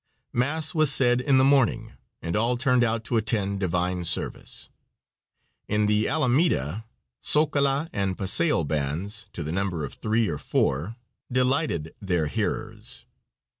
Mass was said in the morning, and all turned out to attend divine service. In the Alameda, Zocola and paseo bands, to the number of three or four, delighted their hearers.